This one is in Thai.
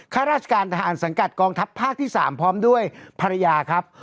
ข้าราชการทหารสังกัดกองทัพภาคที่๓พร้อมด้วยภรรยาครับ